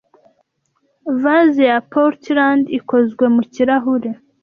Vase ya Portland ikozwe mu kirahure